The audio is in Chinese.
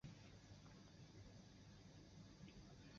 红色小巴